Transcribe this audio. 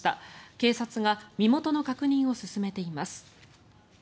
警察が身元の確認を進めています。